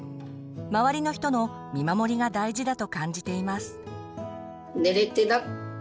「周りの人の見守りが大事」だと感じています。